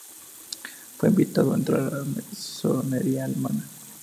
Fue invitado a entrar en la masonería alemana.